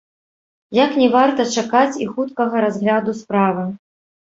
Як не варта чакаць і хуткага разгляду справы.